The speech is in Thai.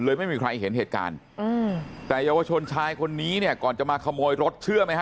ไม่มีใครเห็นเหตุการณ์อืมแต่เยาวชนชายคนนี้เนี่ยก่อนจะมาขโมยรถเชื่อไหมฮะ